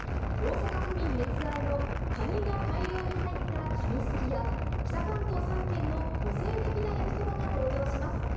大阪府民熱愛のカニが大量に入ったかにすきや、北関東３県の個性的な焼きそばが登場します。